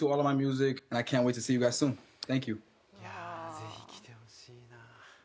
ぜひ来てほしいな。